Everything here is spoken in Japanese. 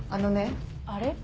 あれ？